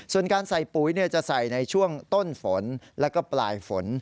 ส่วนการใส่ปุ๋ยจะใส่ในช่วงต้นฝนแล้วก็ปลายฝน